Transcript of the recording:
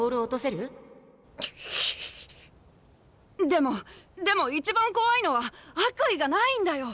でもでも一番怖いのは悪意がないんだよ。